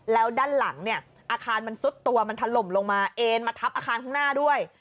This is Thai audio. แล้วด้านหลังเนี่ยอาคารมันซุดตัวมันถล่มลงมาเอ็นมาทับอาคารข้างหน้าด้วย